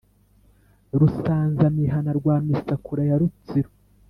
rusanza-mihana rwa misakura ya rutsiro